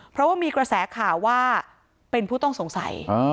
เพราะว่ามีกระแสข่าวว่าเป็นผู้ต้องสงสัย